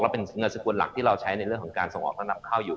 เป็นเงินสกุลหลักที่เราใช้ในเรื่องของการส่งออกและนำเข้าอยู่